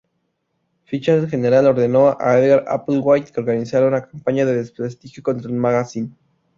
FitzGerald ordenó a Edgar Applewhite que organizara una campaña de desprestigio contra el magazine.